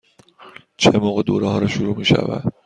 چه موقع دوره ها شروع می شود؟